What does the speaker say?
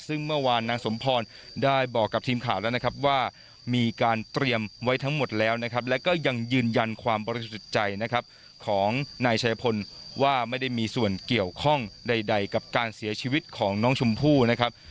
ซึ่งเมื่อวานนางสมพรได้บอกกับทีมข่าวแล้วนะครับว่ามีการเตรียมไว้ทั้งหมดแล้วนะครับแล้วก็ยังยืนยันความบริสุทธิ์ใจนะครับของนายชายพลว่าไม่ได้มีส่วนเกี่ยวข้องใดกับการเสียชีวิตของน้องชมพู่นะครับ